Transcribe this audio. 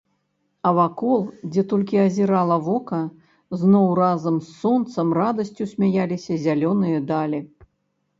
А вакол, дзе толькі азірала вока, зноў разам з сонцам радасцю смяяліся зялёныя далі!